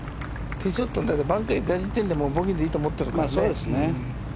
ティーショットがバンカーにいった時点でボギーでいいと思ってるからね。